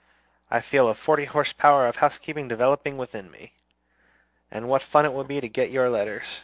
I feel a forty horse power of housekeeping developing within me; and what fun it will be to get your letters!